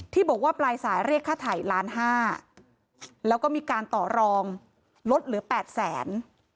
บอกว่าปลายสายเรียกค่าไถ่ล้านห้าแล้วก็มีการต่อรองลดเหลือ๘แสน